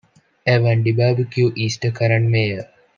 Evan Debarbeque is the current mayor.